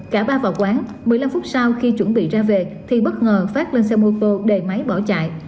cả ba vào quán một mươi năm phút sau khi chuẩn bị ra về thì bất ngờ phát lên xe mô tô đề máy bỏ chạy